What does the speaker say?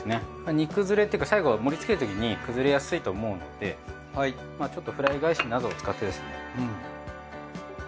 煮崩れっていうか最後盛り付けるときに崩れやすいと思うのでちょっとフライ返しなどを使ってですね。